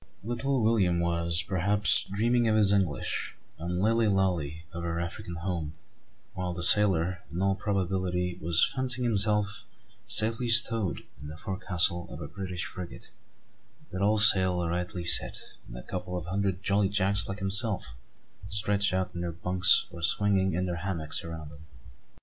Little William was, perhaps, dreaming of his English, and Lilly Lalee of her African, home; while the sailor, in all probability, was fancying himself safely "stowed" in the forecastle of a British frigate, with all sail rightly set, and a couple of hundred jolly Jacks like himself stretched out in their "bunks" or swinging in their hammocks around him.